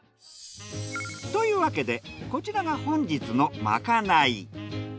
というわけでこちらが本日のまかない。